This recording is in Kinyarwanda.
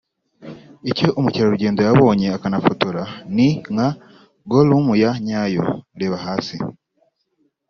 Icyo umukerarugendo yabonye akanafotora ni nka Gollum ya nyayo (Reba hasi)